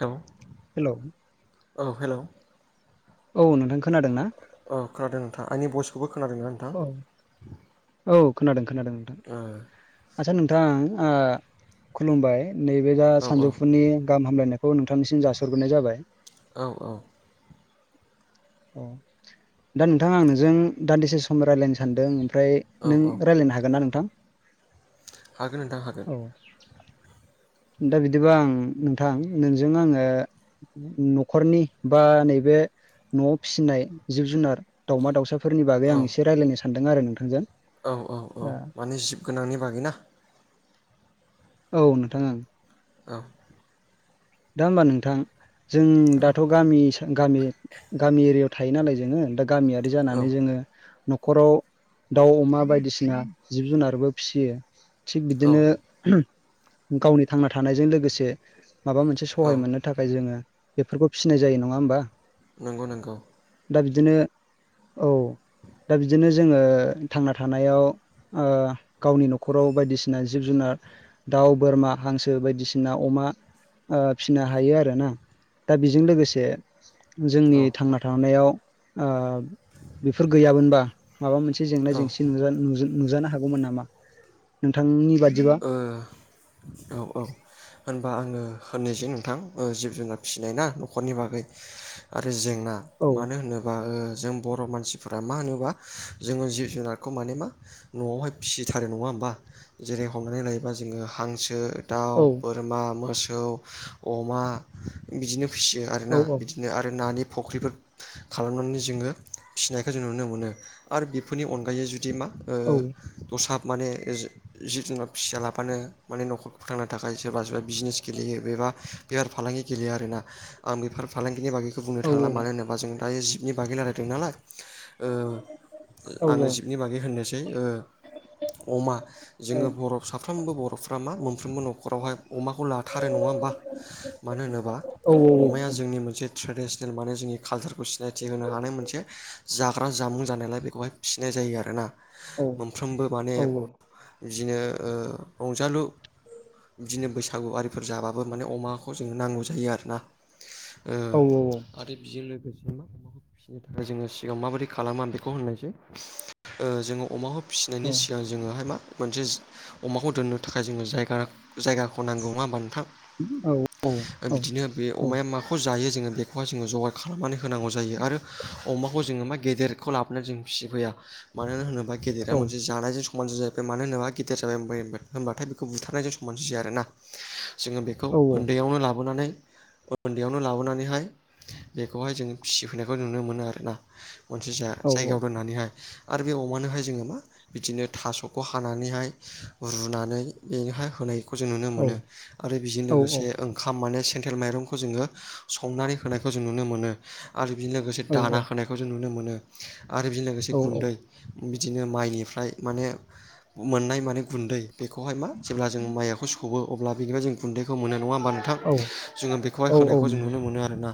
औ। हेल' औ हेल' औ नोंथां खोनादों ना? औ खोनादों नोंथां आंनि बयसखौबो खोनादों ना? अ औ औ खोनादों खोनादों नोंथां ओ आचसा नोंथां ओ खुलुमबाय नैबे दा औ सानजौफुनि गाहाम हामलायनायखौ नोंथांनिसिम जासरग्रोनाय जाबाय। औ औ अ दा नोंथाङा आं ननोजों दान्दिसे फन रायज्लायनो सानदों ओमफ्राय औ नों औ राय्लायनो हागोन ना नोंथां? हागोन नोंथां हागोन औ दा बिदिबा आं नोंथां नोंजों आंङो न'खरनि बा नैबे न'आव फिसिनाय जिब जुनार दावमा दाउसाफोरनि बागै औ आं एसे रायज्लायनो सानदों आरो नोंथांजों। औ औ औ ओ माने जिस गोनांनि बागैना। औ नोंथां ओं औ दा होमबा नोंथां जों औ दाथ' गामि हिसा गामि गामि एरियाव थायो नालाय जोंङो दा गामियारि औ जानानै जोंङो न'खराव दाउ अमा बायदिसिना जिब जुनारबो फिसियो थिग औ बिदिनो गावनि थांना थानायजों लोगोसे माबा मोनसे औ सहाय मोननो थाखाय जोंङो बेफोरखौ फिसिनाय जायो नङा होमबा नंगौ नंगौ दा बिदिनो औ दा बिदिनो जोंङो थांना थानायाव ओ गावनि न'खराव बायदिसि नो जिब जुनार दाउ बोरमा हांसो बायदिसिना अमा ओ फिसिनो हायो आरो ना दा बेजों लोगोसे औ जोंनि थांना थानायांनायाव ओ बेफोर गैयामोनबा माबा मोनसे जेंना औ ओ जेंसि नुजा नु नुजानो हागौमोन नामा नोंथांनि बादिबा ओ औ औ। होनबा आंङो होननायसै नोंथां ओ जिब जुनार फिसिनाय ना न'खरनि बागै आरो जेंना औ मानो होनो ओ-ओ जों बर' मानसिफोरा मा होनोबा जोंङो जिब जुनारखौ माने मा न'आवहाय फिसिथारो नङा होमबा जेरै हमनानै लायोबा जोंङो हांसो दाउ औ बोर मा मोसौ अमा बिदिनो फिसियो औ आरोना औ बिदि बिनो आरो नानि फुख्रिफोर खालामनानै जोंङो फिनायखौ जों नुनो मोनो। आरो बेफोरनि अनगायै जुदि मा ओ औ दस्रा माने जि जुनना फिसा लाबानो माने न'खरखौ फोथांनो थाखाय सोरबा सोरबा बिजनेस गेलेयो बेबा बेफार फालांगि गेलेयो आरोना आं बेफोर फालांगिनि बागैखौ बुंनो औ थांला मानो होनोबा जों दायो जिबनि बागै रायलायदों नालाय। ओ औ औ आंङो जिबनि बागै होननोसै अमा जोंङो बर साफ्रोमबो बर'फ्रा मा मोनफ्रोमबो न'खरावहाय अमाखौ लाथारो नङा होमबा? मानो होनोबा अमाया जोंनि मोनसे ट्रेडनेल माने जोंनि कालचारखौ सिनायथि होनो हानाय मोनसे जाग्रा जामुं जानायलाय बेखौहाय फिसिनाय जायो आरोना मोनफ्रोमबो माने बिदिनो ओ रंजालु बिदिनो बैसागु आरो फोर जाबाबो माने अमाखौ जोंङो नांगौ जायो आरो ना ओ आरो बेजों लोगोसे मा फिनो थाखाय जोंङो सिगाङाव माबायदि खालामो आं बेखौ होननायसै जोंङो अमाखौ फिसिनायनि सिगां जोंङोहाय मा मोनसे अमाखौ दोननो थाखाय जोंङो जायगा जायगा खौ नांगौ नंङा होमबा नोंथां ओ औ बिदिनो बे अमाया माखौ जायो जोङो बेखौहाय जोङो जगार खालामनानै होनांगौ जायो। आरो अमाखौ जोङो मा गेदेर खौ लाबोनानै जों फिसि फैया मानो होनोबा गेदेरा मोनसे जानायजों समान मानो होनोबा गेदेर जाबाय होन-होनबाथाय बेखौ बुथारनायजों समान जाया आरोना। जोङो बेखौ उन्दैयावनो लाबोनानै उन्दैयावनो लाबोनानैहाय बेखौहाय जोंङो फिसिफैनायखौ नुनो मोनो आरोना। मोनसे जा जायगायाव दोननानैहाय आरो बे अमानोहाय जोङो मा बिदिनो थास' खौ हानानैहाय रुनानै बेनोहाय होनाय खौ जों नुनो मोनो। आरो बेजों लोगोसे ओंखाम माने सेन्थेल माइरंखौ जोङो संनानै होनायखौ जों नुनो मोनो। आरो बेजों लोगोसे दाना होनायखौ जों नुनो मोनो। आरो बेजों लोगोसे गुन्दै। बिदिनो माइनिफ्राय माने मोननाय माने गुन्दै बेखौहाय मा जेब्ला जों माइखौ सो अब्ला बेनिफ्राय जों गुन्दैखौ मोनो नङा होमबा नों थां जोङो बेखौहाय औ औ होनायखौ जों नंगौ नुनो मोनो आरोना।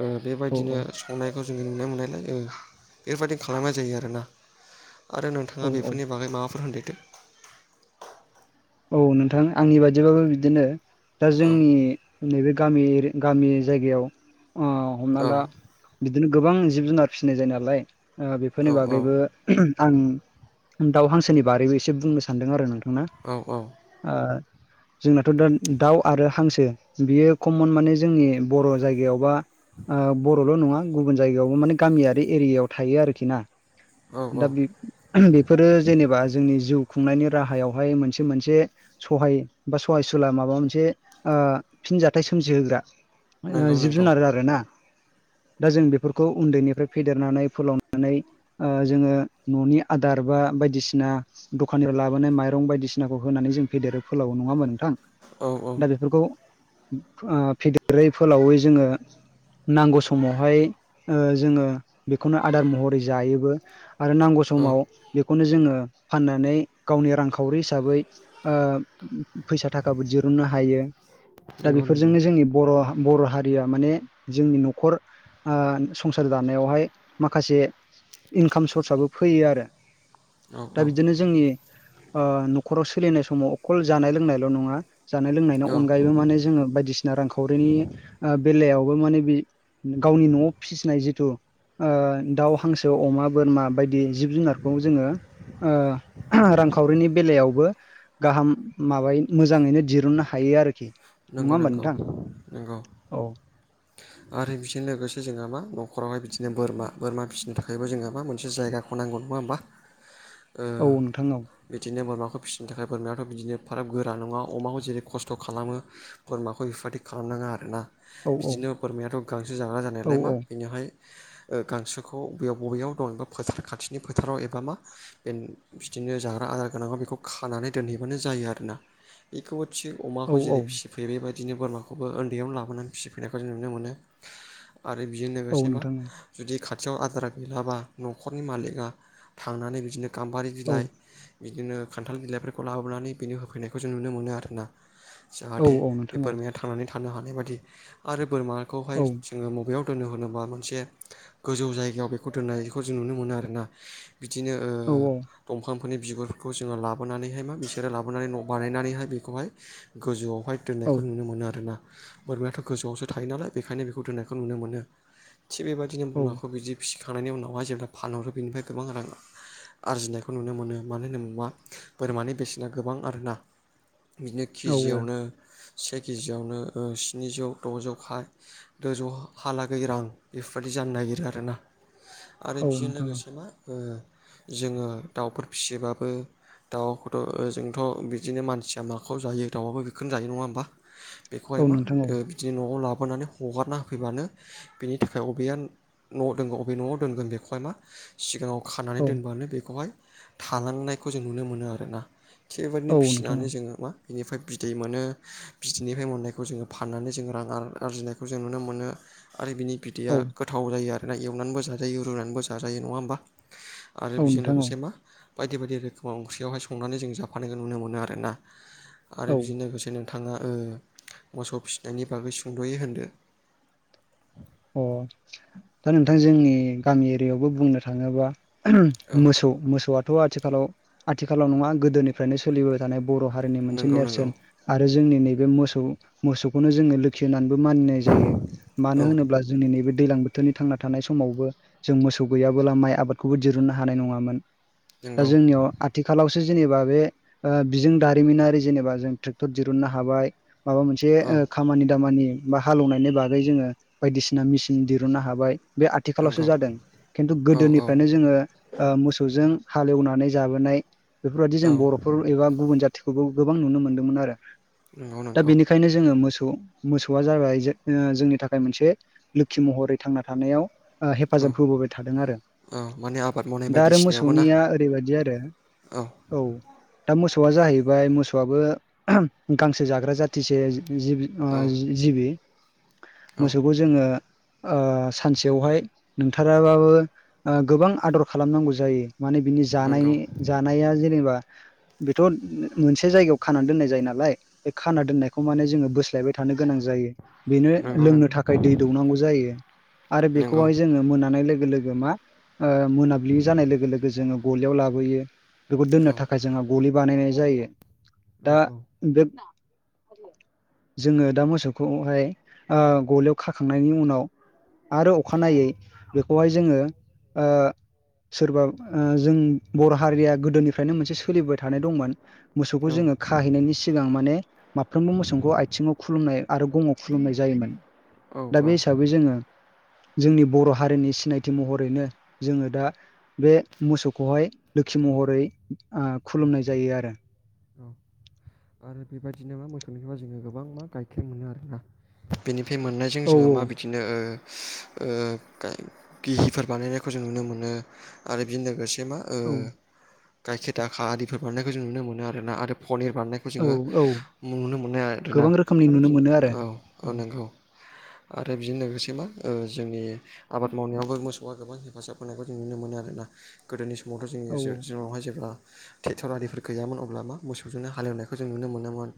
ओ औ औ बेबायदिनो संनायखौ जोङो नुनो मोननायलाय ओ बेफोरबायदि खालामनाय जायो आरोना। आरो नोंथाङा औ बेफोर बागै माबाफोर होनदेरदो। औ नोंथां आंनि बादिबाबो बिदिनो। दा औ जोंनि नैबे गामियारि गामि जायगायाव ओ हमना औ ला बिदिनो गोबां जिब जुनार फिसिनाय जायो नालाय। ओ औ बेफोरनि औ बागैबो आं दाउ हांसोनि बारैबो एसे बुंनो सान्दों आरो नोंथाङा औ औ। ओ जोंनाथ' दा दाउ आरो हांसो बियो कमन माने जोंनि बर' जायगायावबा ओ बर'ल' नङा गुबुन जायगायावबो माने गामियारि एरियायाव थायो आरोखि ना‌। औ औ दा बेबे-फोरो जेनेबा जोंनि जिउ खुंनायनि राहायावहाय मोनसे मोनसे सहाय बा सहायसुला माबा मोनसे ओ फिनजथाय सोमजिहोग्रा ओ नंगौ जिब नंगौ जुनार आरोना। दा जों बेफोरखौ उन्दैनिफ्राय फेदेरनानै फोलावनानै ओ जोङो न'नि आदार बा बायदिसिना दखाननिफ्राय लाबोनाय माइरं बायदिसि नाखौ होनानै जों फेदेरो फोलाव नङा होनबा औ औ नोंथां। दा बेफोरखौ ओ फेदेरै फोलावै जोङो नांगौ समावहाय ओ जोङो बेखौनो आदार महरै जायोबो। आरो नांगौ औ समाव बेखौनो जोङो फाननानै गावनि रांखावरि हिसाबै ओ फैसा थाखाबो दिरुननो हायो। दा नंगौ नंगौ बेफोरजोंनो जोंनि बर' बर' हारिया माने जोंनि नख'र ओ संसार दानायावहाय माखासे इंकाम सर्साबो फैयो आरो। औ दा औ बिदिनो जोंनि ओ नख'राव सोलिनाय समाव अखल जानाय लोंनायल' नङा। जानाय लोंनायनि औ अनगायैबो माने जोङो बायदिसि ना रांखावरिनि ओ बेलायावबो माने बे गावनि न'आव फिसिनाय जिथु ओ दाउ हांसो अमा बोरमा बायदि जिब जुनारखौ जोङो ओ रांखावरिनि बेलायावबो गाहाम माबाय मोजाङैनो दिरुननो हायो आरोखि। नङा नंगौ होमबा नंगौ नोंथां नंगौ औ। आरो बिजों लोगोसे जोंहा मा नख'रावहाय बिदिनो बोरमा बोरमा फिसिनो थाखायबो जोंहा मा मोनसे जायगा खौ नांगोन नङा होमबा। ओ औ नोंथां औ बिदिनो बोरमाखौ फिसिनो थाखाय बोरमायाथ' बिदिनो एफाराब गोरा नङा। अमाखौ जेरै खस्थ' खालामो बोरमाखौ बेफोरबायदि खालामनाङा आरोना। औ बिदिनो बोरमायाथ' गांसो जाग्रा औ जानायलाय मा बेनिहाय ओ गांसोखौ बेयाव बबेयाव दं एबा फोथार खाथिनि फोथाराव एबा मा बे बिदिनो जाग्रा आदार गोनांआव बेखौ खानानै दोनहैबानो जायो आरोना। बेखौबोथि औ अमाखौ औ जेरै फिसि फेरै बायदिनो बोरमाखौबो उन्दैयावनो लाबोनानै फिसिफैनायखौ जों नुनो मोनो। आरो बेजों औ लोगोसे मा नोंथां जुदि खाथियाव आदार गैलाबा न'खरनि मालिका थांनानै बिदिनो गाम्बारि औ बिलाइ बिदिनो खान्थाल बिलाइफोरखौ लाबोनानै बिनि होफैनायखौ जों नुनो मोनो आरो ना। औ जाहाथे औ बे नोंथां औ बोरमाया थांनानै थानो हानाय बादि आरो बोरमाखौहाय औ जोङो मबेयाव दोनो होनोबा मोनसे गोजौ जायगायाव बेखौ दोननायखौ जों नुनो मोनो आरोना। बिदिनो ओ औ दंफांफोरनि बिगुरफोरखौ जोङो लाबोनानैहाय मा बिसोरो लाबोनानै न' बानायनानैहाय बेखौहाय गोजौआवहाय औ दोननायखौ नुनो मोनो आरोना। बोरमायाथ' गोजौआवसो थायो नालाय बेखायनो बेखौ दोननायखौ नुनो मोनो। थिग बेबायदिनो बोरमाखौ बिदि फिसिखांनायनि उनावहा जेब्ला फानहरो बेनिफ्राय गोबां रां आरजिनायखौ नुनो मोनो मानो होन बुबा बोरमानि बेसेना गोबां आरोना। बिदिनो औ केजियावनो से कजियावनो ओ स्निजौ द'जौ खाय दज' हालागै रां बेफोरबायाददि जानो नागिरो आरोना। आरो औ बिजों नोंथां औ लोगोसे मा ओ जोङो दाउफोर फिसिबाबो दाउखौथ' ओजोंथ' बिदिनो मानसिया माखौ जायो दाउआबो बेखौनो जायो नङा होमबा बेखौहाय औ मा नोंथां औ ओ [unintelligible] न'आव लाबोनानै हगारना होफैबानो बेनि थाखाय बबेया न'आव दोनगोन अबे न'आव दोनगोन बेखौहाय मा सिगाङाव खानानै औ दोनबानो बेखौहाय थालांनायखौ जों नुनो मोनो आरोना [unintelligible] औ नोंथां औ फिसिनानै जोङो मा बिनिफ्राय बिदै मोनो बिदैनिफ्राय मोननायखौ जोङो फाननानै जों रां आर आरजिनायखौ जों नुनो मोनो। आरो बिनि बिदैया औ गोथाव जायो आरोना एवनानैबो जाजायो रुनानैबो जाजायो नङा होमबा? आरो बेजों नोंथां औ लोगोसे मा बायदि बायदि रोखोमाव ओंख्रियावहाय संनानै जों जाफानोय नुनो मोनो आरोना आरो औ बिजों लोगोसे नों थाङा ओ मोसौ फिसिनायनि बागै सुंद'योै होनदो। अ दा नोंथां जोंनि गामि एरियायावबो बुंनो थाङोबा औ मोसौ मोसौआथ' आथिखालाव आथिखालाव नङा गोदोनि फ्रायनो सोलिबोबाय थानाय बर' हारिनि मोनसे नंगौ नंगौ नेरसोन आरो जोंनि नैबे मोसौ मोसौखौनो जोङो लो क्षि होननानैबो मानिनाय जायो औ मानो होनोब्ला जोंनि नैबे दैज्लां बोथोरनि थांना थानाय समावबो जों मोसौ गैयाबोला माइ आबादखौबो दिरुननो हानाय नङामोन दा नंगौ जोंनियाव आथिखालावसो जेनेबा बे ओ बिजों दारिमिनारि जेनेबा जों ट्रेक्टर दरुननो हाबाय माबा मोन औ एसे खामानि दामानि बा हालेवनायनि बागै जोङो बायदिसिना मेसिन दिरहुनन्नो हाबाय। बे आथिखालावसो नंगौ जादों खिन्थु औ औ गोदोनिफ्रायनो जोङो ओ मोसौजों हालेवनानै जाबोनाय बेफोरबायदि औ जों बर'फोर एबा गुबुन जाथिखौबो गोबां नुनो मोन्दोंमोन आरो। नंगौ नंगौ। बेखायनो जोङो मोसौ मोसौआ जाबाय ओ जोंनि थाखाय मोनसे लोखि महरै थांना थानायाव ओ औ हेफाजाब होबोबाय थादों आरो माने आबाद मावनाय दा आरो बायदिसिनायावबो ना मोसौनिया ओरैबायदि आरो औ। दा मोसौआ जाहैबाय मोसौआबो गांसो जाग्रा जाथिसे जिब। ओ औ जि जिबि। औ। थेउबौ जोङो ओ सानसेयावहाय नोंथाराबाबो ओ गोबां आदर खालामनांगौ जायो। माने बिनि नंगौ जानायनि जानाया जेनेबा बेथ' मोनसे जायगायाव खाना दोननाय जायो नालाय बे खाना दोननायखौ माने जोङो बोस लाबाय थानो गोनां जायो बेनो नंगौ लोंनो नंगौ थाखाय दै दौनांगौ जायो आरो नंगौ बेखौहाय जों जोङो मोनानाय लोगो लोगो मा ओ मोनाब्लि जानाय लोगो लोगो जोङो गलियाव लाबोयो। बेखौ औ दोननो थाखाय जोङहा गलि बानायनाय जायो औ दा औ बे जोङो दा मोसौखौहाय ओ गलिआव खाखांनायनि उनाव आरो अखानायै बेखौहाय जोङो ओ सोरबा ओ जों बर' हारिया गोदोनिफ्रायनो मोनसे सोलिबाय थानाय दंमोन मोसौखौ जोङो खाहैनायनि सिगां माने माफ्रोमबो मोसौखौ आथिङाव खुलुमनाय आरो गमाव खुलुमनाय जायोमोन। औ दा औ बे हिसाबै जोङो जोंनि बर' हारिनि सिनायथि महरैनो जोङो दा बे मोसौखौहाय लोखि महरै ओ खुलुमनाय जायो आरो। औ। आरो बेबायदिनो मा मोसौनिबा जोङो गोबां मा गाइखेर मोनो आरोना बेनिफ्राय मोननाय जों औ जोङो मा बिदिनो ओ ओ गिहिफोर बानायनायखौ जों नुनो मोनो। आरो बेजों लोगोसे मा ओ औ गायखेर दाखा आरिफोर बानायनायखौ जों नुनो मोनो आरोना आरो पनिर बानायनाय खौ औ जोङो औ नुनो मोनो आरोना गोबां रोखोमनि आरो नुनो बिदिनो मोनो आरो औ औ नंगौ। आरो बिजों लोगोसे मा ओ जोंनि आबाद मावनायावबो मोसौआ गोबां हेफाजाब होनायखौ जों नुनो मोनो आरोना। गोदोनि समावथ' औ जोङो जोंनावहाय जेब्ला ट्रेक्टर आरिफोर गैयामोन अब्ला मा मोसौजोंनो हालेवनायखौ जों नुनो मोनोमोन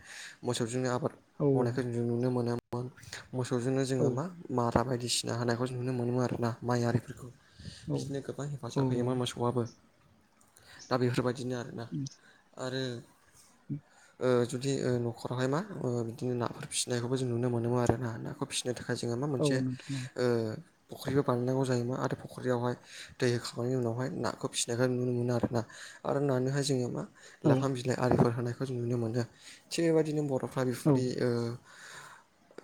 मोसौजोंनो आबाद औ मावनायखौ जों नुनो मोनोमोन मोसौजोंनो औ जोङो मा मारा बायदिसिना होनायखौ नुनो मोनोमो आरो ना माइ आरिफोरखौ। बिदिनो गोबां औ हेफाजाब होयोमोन मोसौआबो दा बेफोरबायदिनो आरोना। आरो ओ जुदि न'खरावहाय मा ओ बिदिनो नाफोर फिसिनायखौबो जों नुनो मोनोमोन आरो ना नाखौ फिसिनाय नो थाखाय जोङो मा औ मोनसे नोंथां ओ फख्रिबो बानायनांगौ जायोमोन आरो फख्रियावहाय दै होखांनायनि उनावहाय नाखौ फिसिनायखौ नुनो मोनो आरोना। आरो नानोहाय जोङो मा औ लाफा बिलाइ आरिफोर होनायखौ जों नुनो मोनो थिग बेबायदिनो बर' फारि औ फारि ओ [unintelligible]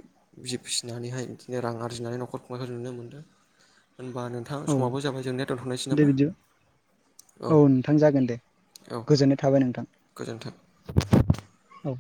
जि फिसिनानैहाय बिदिनो रां आरजिनानै न'खर खुंनायखौ नुनो मोनदों होनबानो नोंथां औ समाबो जाबाय जोंनि दोनथ'नोसै दे नामा बिदि औ औ। नोंथां जागोन दे औ गोजोननाय थाबाय नोंथां। गोजोन्थों। औ।